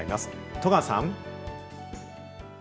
十川さん。